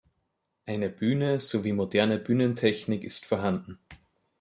Eine Bühne sowie moderne Bühnentechnik ist vorhanden.